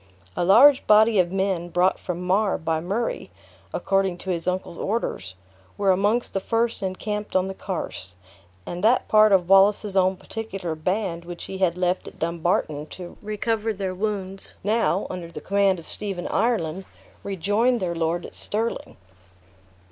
A large body of men brought from Mar by Murray according to his uncle's orders, were amongst the first encamped on the Carse; and that part of Wallace's own particular band which he had left at Dumbarton, to recover their wounds, now, under the command of Stephen Ireland, rejoined their lord at Stirling.